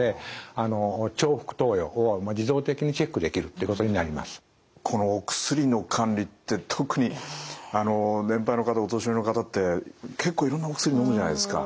電子処方箋になりますとこのお薬の管理って特に年配の方お年寄りの方って結構いろんなお薬のむじゃないですか。